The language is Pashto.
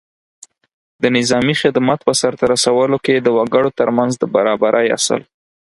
د نظامي خدمت په سرته رسولو کې د وګړو تر منځ د برابرۍ اصل